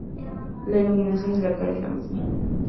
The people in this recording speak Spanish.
La Iluminación de la cara es la misma.